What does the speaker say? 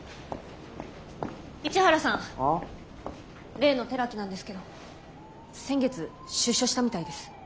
例の寺木なんですけど先月出所したみたいです。